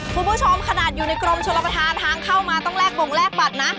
คุณผู้ชมขนาดอยู่ในกรมชนประธานทางเข้ามาต้องแลกบงแลกบัตรนะ